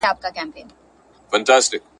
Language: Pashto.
په هغه نامه په دار یو ګوندي راسي !.